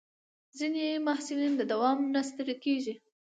ځینې محصلین د دوام نه ستړي کېږي.